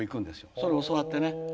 それ教わってね。